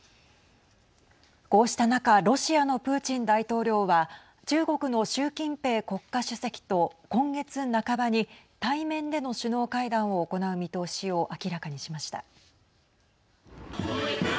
こうした中ロシアのプーチン大統領は中国の習近平国家主席と今月半ばに対面での首脳会談を行う見通しを明らかにしました。